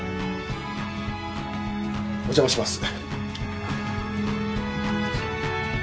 お邪魔します。